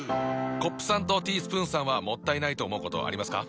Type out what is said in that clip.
コップさんとティースプーンさんはもったいないと思うことありますか？